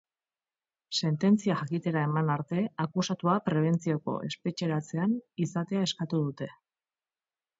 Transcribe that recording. Sententzia jakitera eman arte akusatua prebentzioko espetxeratzean izatea eskatu dute.